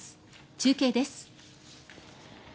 中継です。